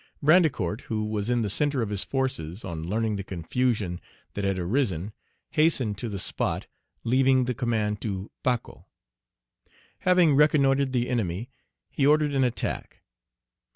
Brandicourt, who was in the centre of his forces, on learning the confusion that had arisen, hastened to the spot, leaving the command to Pacot. Having reconnoitred the enemy, he ordered an attack.